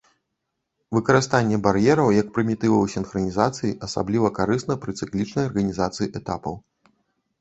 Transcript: Выкарыстанне бар'ераў як прымітываў сінхранізацыі асабліва карысна пры цыклічнай арганізацыі этапаў.